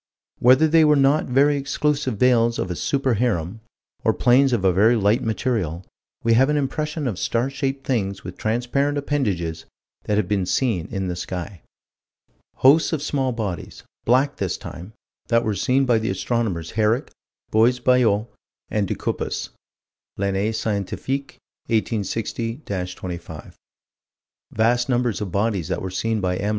Whether they were not very exclusive veils of a super harem, or planes of a very light material, we have an impression of star shaped things with transparent appendages that have been seen in the sky. Hosts of small bodies black, this time that were seen by the astronomers Herrick, Buys Ballot, and De Cuppis (L'Année Scientifique, 1860 25); vast numbers of bodies that were seen by M.